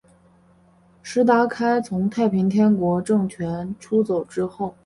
石达开从太平天国政权出走之后。